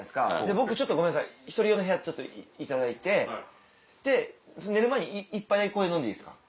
僕ちょっとごめんなさい１人用の部屋取っていただいてで寝る前に１杯だけここで飲んでいいですか？